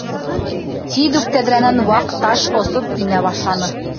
Тиҙ үк тәҙрәнән ваҡ таш осоп инә башланы.